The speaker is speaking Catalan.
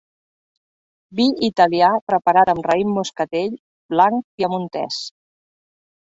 Vi italià, preparat amb raïm moscatell blanc piemontès.